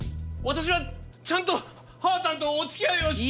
私はちゃんとはーたんとおつきあいを。